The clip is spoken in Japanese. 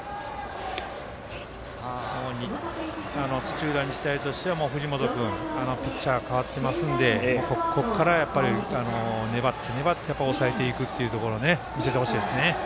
土浦日大としては藤本君ピッチャー代わってますのでここから粘って粘って抑えていくというところ見せてほしいですね。